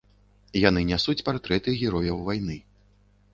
Яны нясуць партрэты герояў вайны.